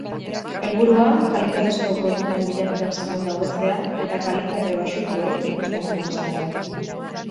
Helburua kalitatezko webguneen bilaketen zerrenda hobetzea eta kalitate baxukoei ikuspena murriztea da.